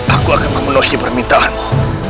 aku akan memenuhi permintaanmu